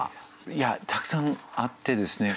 いやたくさんあってですね。